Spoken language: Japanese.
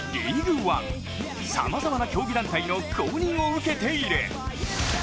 さまざまな競技団体の公認を受けている。